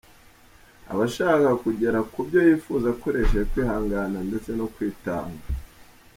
Aba ashaka kugera ku byo yifuza akoresheje kwihangana ndetse no kwitanga.